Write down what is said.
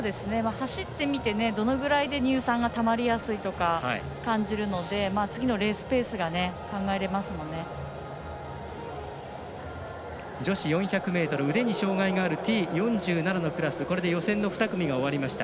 走ってみてどのぐらいで乳酸がたまりやすいとか感じるので次のレースペースが女子４００ｍ腕に障がいがあるＴ４７のクラス予選の２組が終わりました。